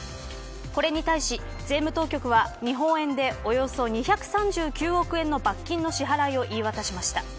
これに対し税務当局は日本円でおよそ２３９億円の罰金の支払いを言い渡しました。